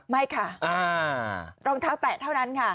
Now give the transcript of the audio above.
ไม่ค่ะรองเท้าแตะเท่านั้นค่ะ